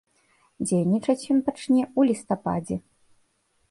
Дзейнічаць ён пачне ў лістападзе.